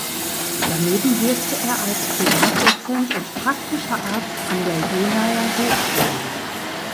Daneben wirkte er als Privatdozent und praktischer Arzt an der Jenaer Hochschule.